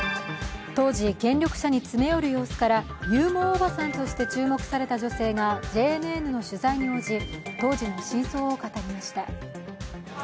当時、権力者に詰め寄る様子から、勇猛おばさんとして注目された女性がＪＮＮの取材に応じ当時の真相を語りました。